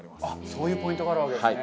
そういうポイントがあるわけですね。